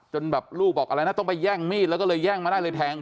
จนแบบลูกบอกอะไรนะต้องไปแย่งมีดแล้วก็เลยแย่งมาได้เลยแทง